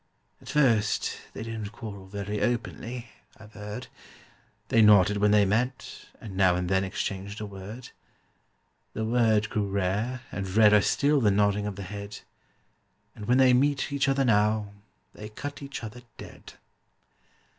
At first they didn't quarrel very openly, I've heard; They nodded when they met, and now and then exchanged a word: The word grew rare, and rarer still the nodding of the head, And when they meet each other now, they cut each other dead.